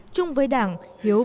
chung với đảng hiếu văn hóa